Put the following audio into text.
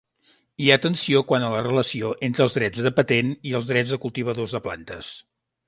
Hi ha tensió quant a la relació entre els drets de patent i els drets dels cultivadors de plantes.